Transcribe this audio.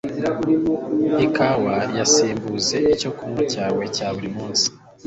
Ikawa yisimbuze icyo kunywa cyawe cya buri munsi